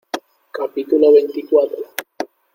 capítulo veinticuatro.